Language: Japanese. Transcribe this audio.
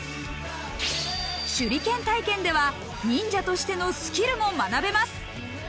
手裏剣体験では忍者としてのスキルも学べます。